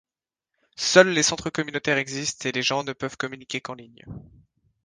Seuls les centres communautaires existent et les gens ne peuvent communiquer qu'en ligne.